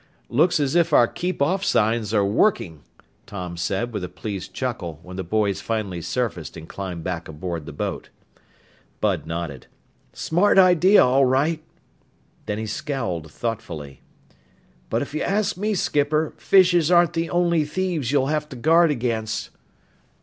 "Looks as if our keep off signs are working," Tom said with a pleased chuckle when the boys finally surfaced and climbed back aboard the boat. Bud nodded. "Smart idea, all right." Then he scowled thoughtfully. "But if you ask me, skipper, fishes aren't the only thieves you'll have to guard against."